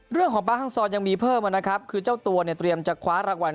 เรื่องของป้าฮ่างซอร์ตยังมีเผิมมานะครับคือเจ้าตัวเนี่ยเตรียมจะคว้าระหวัน